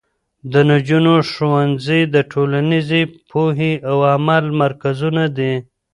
د نجونو ښوونځي د ټولنیزې پوهې او عمل مرکزونه دي.